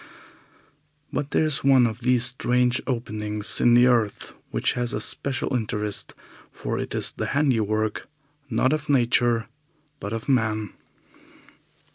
But there is one of these strange openings in the earth which has a special interest, for it is the handiwork, not of nature, but of man.